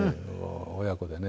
親子でね。